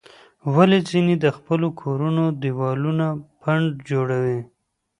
ولې ځینې د خپلو کورونو دیوالونه پنډ جوړوي؟